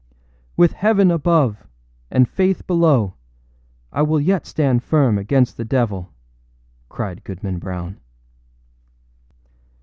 âWith heaven above and Faith below, I will yet stand firm against the devil!â cried Goodman Brown.